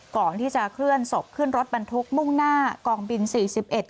ก่อนที่จะเคลื่อนศพขึ้นรถบรรทุกมุ่งหน้ากองบินสี่สิบเอ็ด